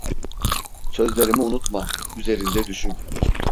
Sözlerimi unutma, üzerinde düşün!